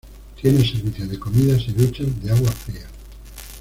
Tiene servicio de comidas y duchas de agua fría.